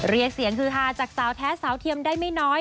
เรียกเสียงฮือฮาจากสาวแท้สาวเทียมได้ไม่น้อย